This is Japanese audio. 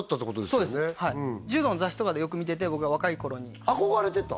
そうですはい柔道の雑誌とかでよく見てて僕が若い頃に憧れてた？